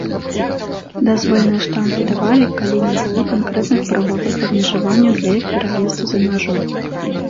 Дазвольныя штампы давалі, калі не было канкрэтных прававых абмежаванняў для іх пераезду за мяжу.